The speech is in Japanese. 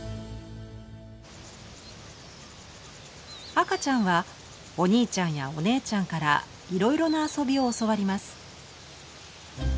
赤ちゃんはお兄ちゃんやお姉ちゃんからいろいろな遊びを教わります。